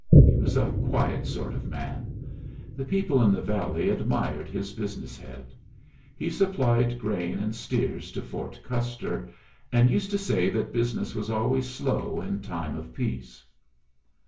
He was a quiet sort of man. The people in the valley admired his business head. He supplied grain and steers to Fort Custer, and used to say that business was always slow in time of peace.